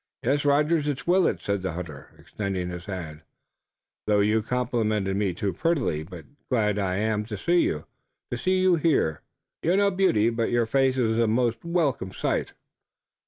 "Yes, Rogers, it's Willet," said the hunter, extending his hand, "though you complimented me too prettily. But glad am I, too, to see you here. You're no beauty, but your face is a most welcome sight."